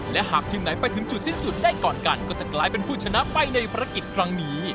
และหากทีมไหนไปถึงจุดสิ้นสุดได้ก่อนกันก็จะกลายเป็นผู้ชนะไปในภารกิจครั้งนี้